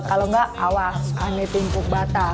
kalau enggak awas aneh tumpuk bata